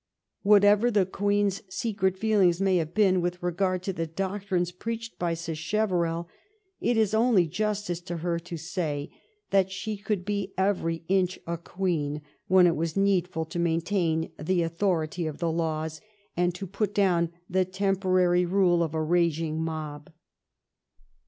Whatever the Queen's secret feelings may have been with regard to the doctrines preached by Sacheverell, it is only justice to her to say that she could be every inch a queen when it was needful to maintain the authority of the laws and to put down the temporary rule of a raging mob.